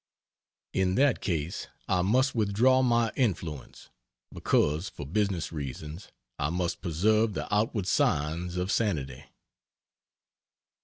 In that case I must withdraw my influence; because, for business reasons, I must preserve the outward signs of sanity.